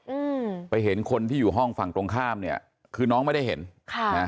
อืมไปเห็นคนที่อยู่ห้องฝั่งตรงข้ามเนี้ยคือน้องไม่ได้เห็นค่ะนะ